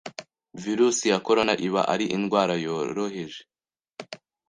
virus ya Corona iba ari indwara yoroheje